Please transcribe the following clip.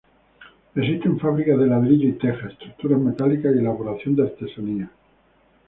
Existen fábricas de ladrillo y teja, estructuras metálicas, y elaboración de artesanías.